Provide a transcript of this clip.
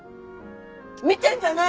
見てんじゃないよ！